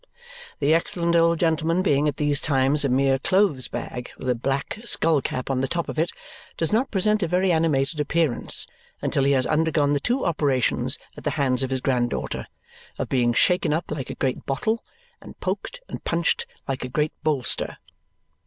The excellent old gentleman being at these times a mere clothes bag with a black skull cap on the top of it, does not present a very animated appearance until he has undergone the two operations at the hands of his granddaughter of being shaken up like a great bottle and poked and punched like a great bolster.